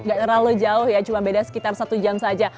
gak terlalu jauh ya cuma beda sekitar satu jam saja